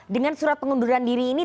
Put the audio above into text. dengan surat pengunduran diri ini